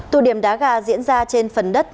tụ điểm đá gà diễn ra trên phần đất